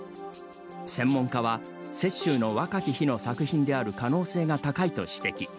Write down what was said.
専門家は、雪舟の若き日の作品である可能性が高いと指摘。